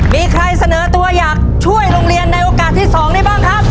มีใครเสนอตัวอยากช่วยโรงเรียนในโอกาสที่๒ได้บ้างครับ